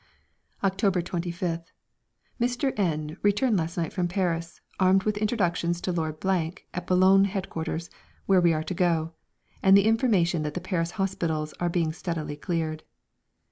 October 25th. Mr. N returned last night from Paris armed with introductions to Lord at Boulogne headquarters, where we are to go, and the information that the Paris hospitals are being steadily cleared.